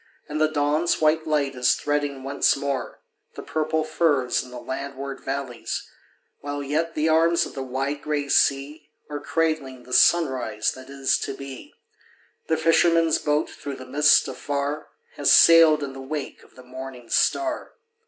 nd the dawn's white light is threading once more The purple firs in the landward valleys, While yet the arms of the wide gray sea Are cradling the sunrise that is to be. The fisherman's boat, through the mist afar, Has sailed in the wake of the morning star.